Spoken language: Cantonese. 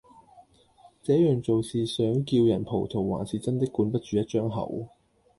這樣做是想叫人葡萄還是真的管不住一張口